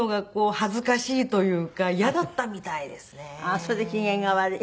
それで機嫌が悪い？